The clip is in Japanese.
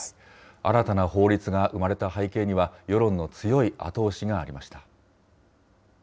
新たな法律が生まれた背景には、世論の強い後押しがありまし